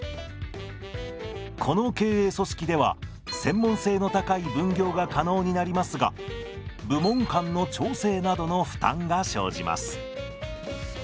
この経営組織では専門性の高い分業が可能になりますが部門間の調整などの負担が生じます。